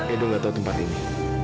edo tidak tahu tempat ini